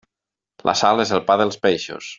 La sal és el pa dels peixos.